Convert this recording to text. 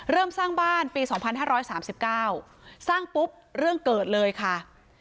เริ่มสร้างบ้านปีสองพันห้าร้อยสามสิบเก้าสร้างปุ๊บเรื่องเกิดเลยค่ะ